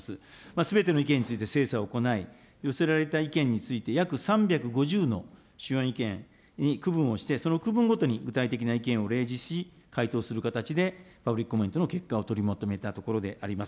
すべての意見について精査を行い、寄せられた意見について、約３５０の意見を区分をして、その区分ごとに具体的な意見を例示し、回答する形でパブリックコメントの結果を取りまとめたところであります。